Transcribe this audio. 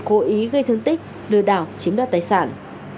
các tội danh liên quan đến cố ý gây thương tích đưa đảo chiếm đoạt tài sản